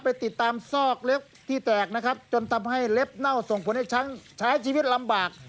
ไปติดตามซอกเล็บที่แตกนะครับจนทำให้เล็บเน่าส่งผลให้ช้างใช้ชีวิตลำบาก